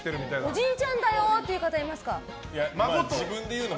おじいちゃんだよって方いますか？